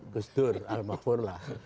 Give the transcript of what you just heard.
gus dur al mahfud lah